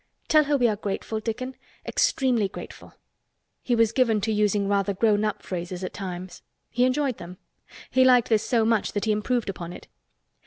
Tell her we are grateful, Dickon—extremely grateful." He was given to using rather grown up phrases at times. He enjoyed them. He liked this so much that he improved upon it.